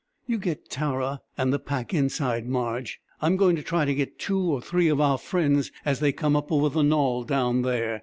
"You get Tara and the pack inside, Marge. I'm going to try to get two or three of our friends as they come up over the knoll down there.